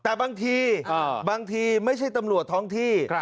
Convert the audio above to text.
แต่บางทีบางทีไม่ใช่ตำรวจท้องที่